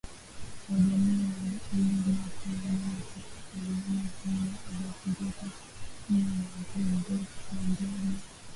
wa jamii ya mbwa Mate yanayotoka kwa mnyama huyo aliyeathiriwa huwa na virusi ambavyo